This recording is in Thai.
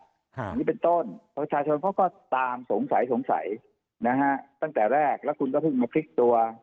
อันนี้เป็นต้นประชาชนเขาก็ตามสงสัยสงสัยนะฮะตั้งแต่แรกแล้วคุณก็เพิ่งมาพลิกตัว